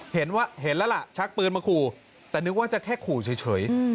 เห็นแล้วล่ะชักปืนมาขู่แต่นึกว่าจะแค่ขู่เฉย